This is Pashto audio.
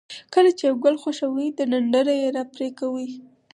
کله چې یو ګل خوښوئ د ډنډره یې را پرې کوئ.